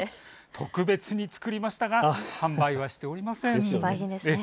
特別に作りましたが販売はしておりません。